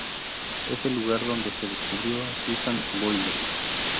Es el lugar donde se descubrió a Susan Boyle.